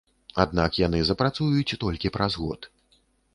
Аднак яны запрацуюць толькі праз год.